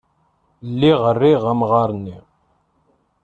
Lliɣ riɣ amɣar-nni.